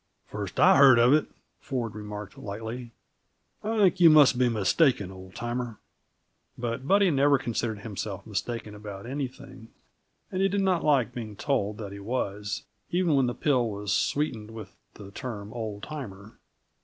"First I've heard of it," Ford remarked lightly. "I think you must be mistaken, old timer." But Buddy never considered himself mistaken about anything, and he did not like being told that he was, even when the pill was sweetened with the term "old timer."